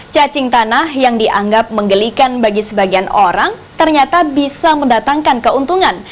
cacing tanah yang dianggap menggelikan bagi sebagian orang ternyata bisa mendatangkan keuntungan